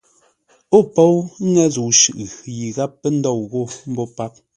Ó póu ŋə́ zə̂u shʉʼʉ yi gháp pə́ ndôu ghô mbô páp.